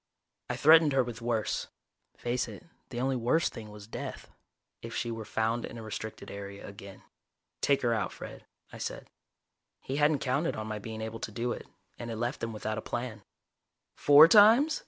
I threatened her with worse face it, the only worse thing was death if she were found in a restricted area again. "Take her out, Fred," I said. He hadn't counted on my being able to do it, and it left him without a plan. "Four times?"